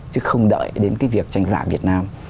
chứ không đợi đến cái việc tranh giả việt nam